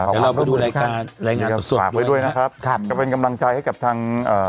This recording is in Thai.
แล้วเราไปดูรายการสดสดด้วยนะฮะฝากไว้ด้วยนะครับเป็นกำลังใจให้กับทาง